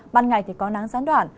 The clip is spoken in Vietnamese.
ban ngày thì có nắng gián đoạn